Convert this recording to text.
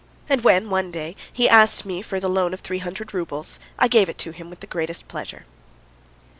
And when one day he asked me for the loan of three hundred roubles, I gave it to him with the greatest pleasure.